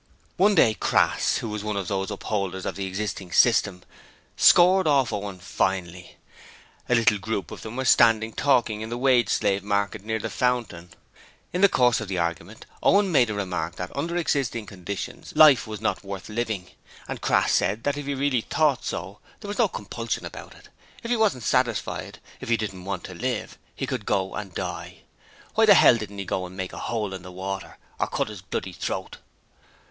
One day Crass, who was one of these upholders of the existing system, scored off Owen finely. A little group of them were standing talking in the Wage Slave Market near the Fountain. In the course of the argument, Owen made the remark that under existing conditions life was not worth living, and Crass said that if he really thought so, there was no compulsion about it; if he wasn't satisfied if he didn't want to live he could go and die. Why the hell didn't he go and make a hole in the water, or cut his bloody throat?